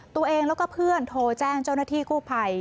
ตัวเองแล้วก็เพื่อนโทรแจ้งเจ้าหน้าที่กู้ภัย